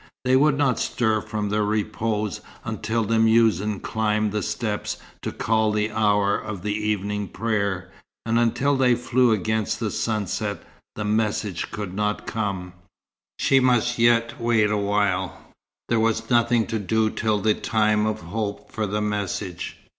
They would not stir from their repose until the muezzin climbed the steps to call the hour of evening prayer, and until they flew against the sunset the message could not come. She must wait yet awhile. There was nothing to do till the time of hope for the message.